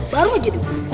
baru aja dong